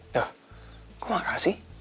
duh kok makasih